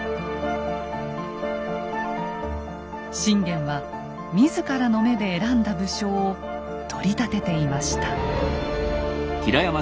信玄は自らの目で選んだ武将を取り立てていました。